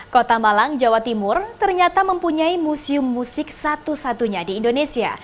kota malang jawa timur ternyata mempunyai museum musik satu satunya di indonesia